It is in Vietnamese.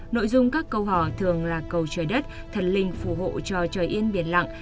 nội dung các câu hỏi thường là cầu trời đất thần linh phù hộ cho trời yên biển lặng